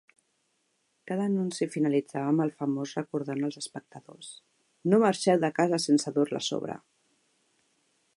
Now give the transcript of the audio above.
Cada anunci finalitzava amb el famós recordant als espectadors: "No marxeu de casa sense dur-la a sobre".